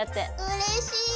うれしい。